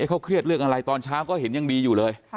เขาเครียดเรื่องอะไรตอนเช้าก็เห็นยังดีอยู่เลย